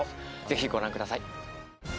ぜひご覧ください